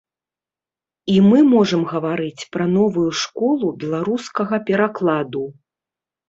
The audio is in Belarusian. І мы можам гаварыць пра новую школу беларускага перакладу.